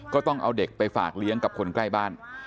ก็ต้องเอาเด็กไปฝากเลี้ยงกับคนใกล้บ้าน